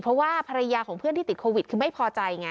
เพราะว่าภรรยาของเพื่อนที่ติดโควิดคือไม่พอใจไง